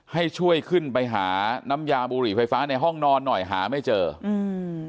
ให้ช่วยขึ้นไปหาน้ำยาบุหรี่ไฟฟ้าในห้องนอนหน่อยหาไม่เจออืม